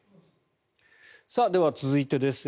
では、続いてです。